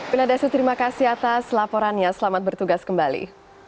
pina desa terima kasih atas laporannya selamat bertugas kembali